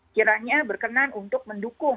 kiranya berkenan untuk mendukung